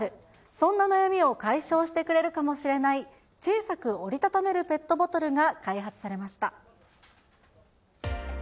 そんな悩みを解消してくれるかもしれない、小さく折り畳めるペットボトルが開発されました。